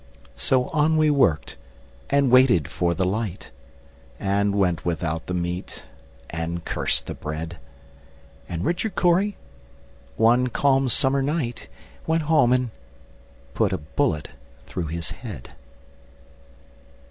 So on we worked, and waited for the light, And went without the meat, and cursed the bread; And Richard Cory, one calm summer night, Went home and put a bullet through his head.